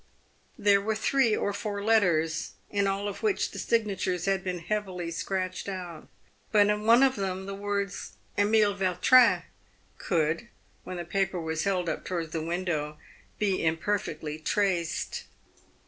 There were three or four letters, in all of which the signatures had been heavily scratched out ; but in one of them the words " Emile Vautrin" could — when the paper was held up towards the window — be imperfectly traced.